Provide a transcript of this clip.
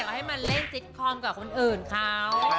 เราให้มาเล่นจิตคอมกว่าคนอื่นเขา